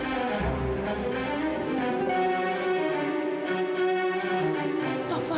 terima kasih banyak bu laras taufan